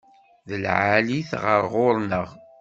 D lɛali-t ɣer ɣur-neɣ.